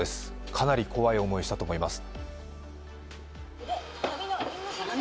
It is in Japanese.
かなり怖い思いしたと思います。